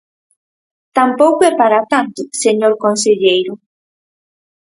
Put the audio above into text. Tampouco é para tanto, señor conselleiro.